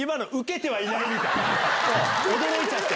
驚いちゃって。